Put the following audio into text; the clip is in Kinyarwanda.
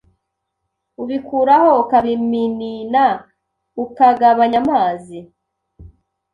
Ubikuraho ukabiminina ukagabanya amazi